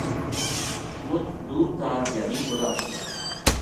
مُچ دُور تھا دھیاڑی کو راہ تھو